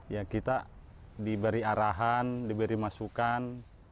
ya kita diberi arahan diberi masukan